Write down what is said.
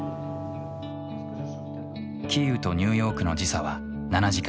キーウとニューヨークの時差は７時間。